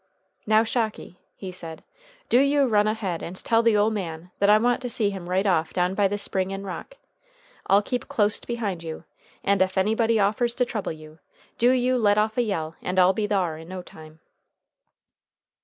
"Now, Shocky," he said, "do you run ahead and tell the ole man that I want to see him right off down by the Spring in rock. I'll keep closte behind you, and ef anybody offers to trouble you, do you let off a yell and I'll be thar in no time."